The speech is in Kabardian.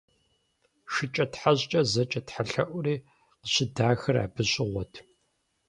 ШыкӀэтхьэщӀкӀэ зэджэ тхьэлъэӀури къыщыдахыр абы щыгъуэт.